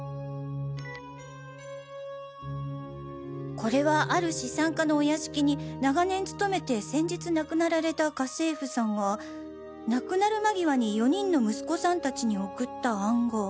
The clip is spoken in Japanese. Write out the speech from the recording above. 「これはある資産家のお屋敷に長年勤めて先日亡くなられた家政婦さんが亡くなる間際に４人の息子さん達に送った暗号」。